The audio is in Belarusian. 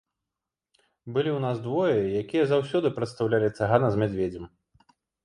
Былі ў нас двое, якія заўсёды прадстаўлялі цыгана з мядзведзем.